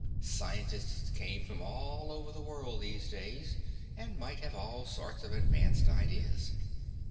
Scientists came from all over the world these days and might have all sorts of advanced ideas.